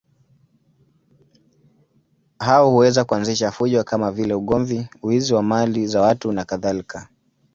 Hao huweza kuanzisha fujo kama vile ugomvi, wizi wa mali za watu nakadhalika.